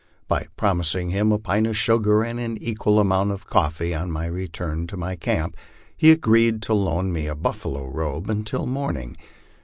By promising him a pint of sugar and an equal amount of coffee on my return to my camp, he agreed to loan me a buffalo robe until morning.